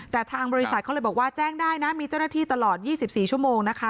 แต่ทางบริษัทเขาเลยบอกว่าแจ้งได้นะมีเจ้าหน้าที่ตลอด๒๔ชั่วโมงนะคะ